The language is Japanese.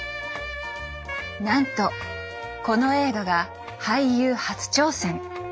なんとこの映画が俳優初挑戦！